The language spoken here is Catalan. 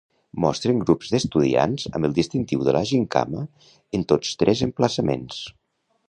Mostren grups d'estudiants amb el distintiu de la gimcana en tots tres emplaçaments.